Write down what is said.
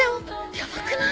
ヤバくない？